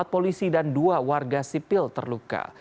empat polisi dan dua warga sipil terluka